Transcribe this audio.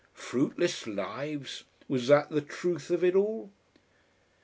Fruitless lives! was that the truth of it all?...